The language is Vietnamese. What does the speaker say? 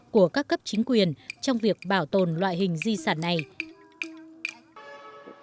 của các cộng đồng và các cộng đồng của các cộng đồng